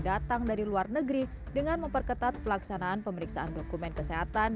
datang dari luar negeri dengan memperketat pelaksanaan pemeriksaan dokumen kesehatan